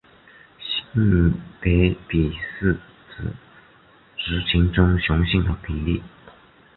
性别比是指族群中雄性的比率。